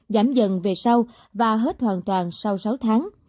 giảm dần về sau và hết hoàn toàn sau sáu tháng